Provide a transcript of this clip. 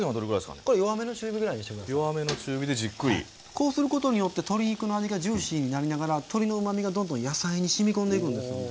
こうすることによって鶏肉の味がジューシーになりながら鶏のうまみがどんどん野菜にしみ込んでいくんですよね。